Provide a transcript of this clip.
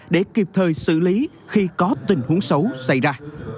để kịp thời xử lý khi có tình huống xấu xảy ra